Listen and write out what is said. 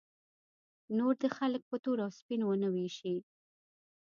نور دې خلک په تور او سپین ونه ویشي.